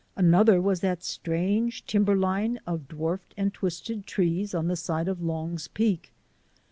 Another was that strange timberline of dwarfed and twisted trees on the side of Long's Peak.